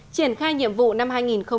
triển khai nhiệm vụ năm hai nghìn một mươi tám